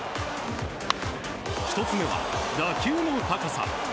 １つ目は、打球の高さ。